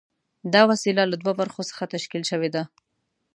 دا وسیله له دوو برخو څخه تشکیل شوې ده.